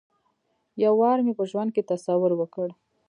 یو وار مې په ژوند کې تصور وکړ.